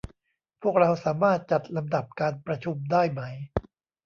พวกเราสามารถจัดลำดับการประชุมได้ไหม